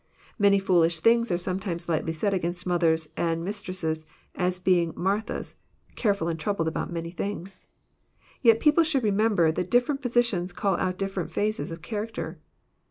Many foolish things are some times lightly said against mothers and mistresses as being Mar thas, "careful and troubled about many things." Yet people should remember that different positions call out different phases of character.